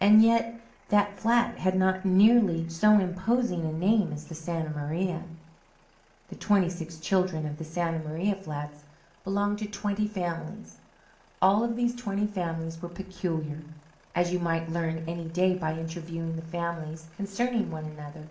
And yet that flat had not nearly so imposing a name as the Santa Maria. The twenty six children of the Santa Maria flats belonged to twenty families. All of these twenty families were peculiar, as you might learn any day by interviewing the families concerning one another.